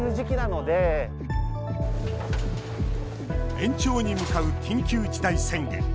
延長に向かう緊急事態宣言。